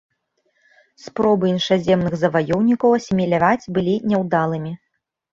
Спробы іншаземных заваёўнікаў асіміляваць былі няўдалымі.